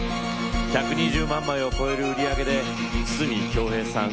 １２０万枚を超える売り上げで筒美京平さん